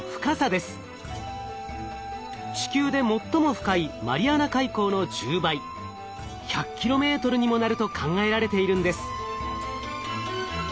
地球で最も深いマリアナ海溝の１０倍１００ｋｍにもなると考えられているんです。